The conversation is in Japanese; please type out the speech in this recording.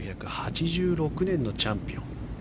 １９８６年のチャンピオン。